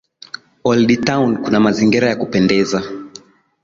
Old Town kuna mazingira ya kupendeza.